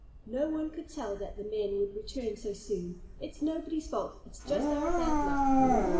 No one could tell that the men would return so soon. It's nobody's fault. It's just our bad luck."